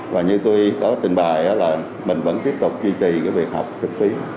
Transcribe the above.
và như tuy có trình bài là mình vẫn tiếp tục duy trì cái việc học trực tiếp